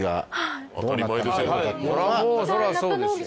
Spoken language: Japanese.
もうそりゃそうですよ